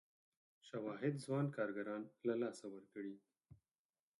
شواهد ځوان کارګران له لاسه ورکړي.